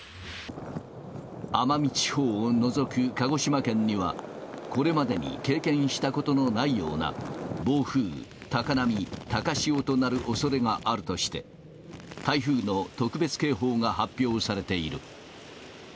奄美地方を除く鹿児島県には、これまでに経験したことのないような暴風、高波、高潮となるおそれがあるとして、台風の特別警報が発表されている。